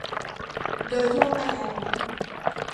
โดยทั่วไปแล้ว